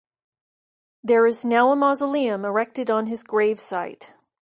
There is now a mausoleum erected on his gravesite.